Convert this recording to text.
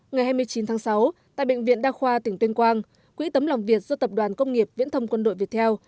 ngày hai mươi chín tháng sáu tại bệnh viện đa khoa tỉnh tuyên quang quỹ tấm lòng việt do tập đoàn công nghiệp viễn thông quân đội việt theo